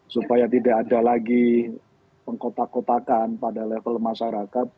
supaya tidak ada lagi pengkotak kotakan pada level masyarakat